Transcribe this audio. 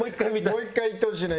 もう１回いってほしいな